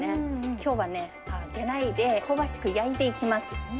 きょうはね、揚げないで香ばしく焼いていきます。